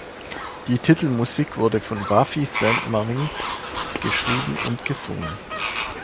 Die Titelmusik wurde von Buffy Sainte-Marie geschrieben und gesungen.